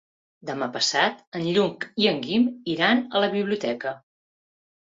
Demà passat en Lluc i en Guim iran a la biblioteca.